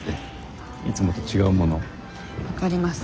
分かります。